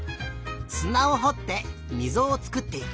すなをほってみぞをつくっていく。